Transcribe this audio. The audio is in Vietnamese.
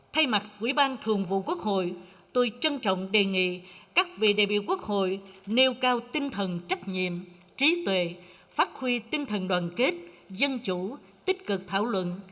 thay mặt quỹ ban thường vụ quốc hội tôi trân trọng đề nghị các vị đại biểu quốc hội nêu cao tinh thần trách nhiệm trí tuệ phát huy tinh thần đoàn kết dân chủ tích cực thảo luận